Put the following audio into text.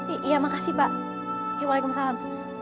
iya makasih pak waalaikumsalam